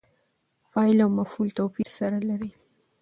فاعل او مفعول توپیر سره لري.